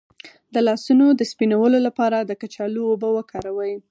د لاسونو د سپینولو لپاره د کچالو اوبه وکاروئ